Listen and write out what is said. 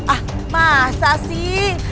ah masa sih